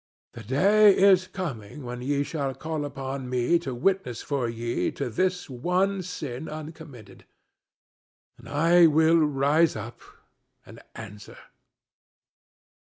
The day is coming when ye shall call upon me to witness for ye to this one sin uncommitted, and I will rise up and answer."